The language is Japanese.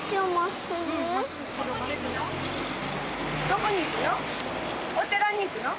・どこに行くの？